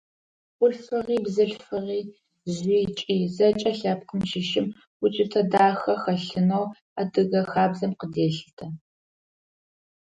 Хъулъфыгъи, бзылъфыгъи, жъи, кӀи – зэкӀэ лъэпкъым щыщым укӀытэ дахэ хэлъынэу адыгэ хабзэм къыделъытэ.